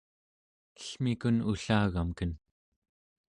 ellmikun ullagamken